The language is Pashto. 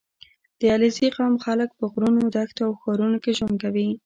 • د علیزي قوم خلک په غرونو، دښتو او ښارونو کې ژوند کوي.